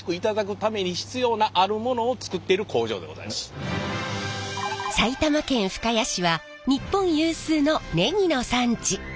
ここ埼玉県深谷市は日本有数のネギの産地。